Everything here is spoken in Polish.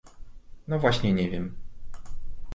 No właśnie nie wiem.